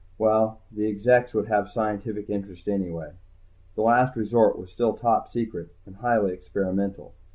Well, the exects would have scientific interest anyway. The Last Resort was still Top Secret. And highly experimental.